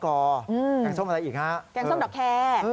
แกงส้มอะไรอีกฮะแกงส้มดอกแคร์